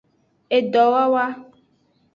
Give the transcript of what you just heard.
Edowawa.